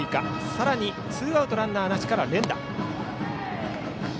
さらにツーアウトランナーなしから連打。